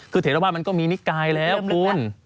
คือเถรวาสมันก็มีนิกายแล้วคุณ